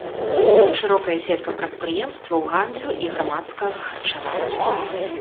Шырокая сетка прадпрыемстваў гандлю і грамадскага харчавання.